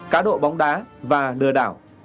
cá độ bóng đá và đờ đảo